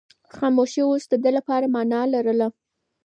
خاموشي اوس د ده لپاره مانا لرله.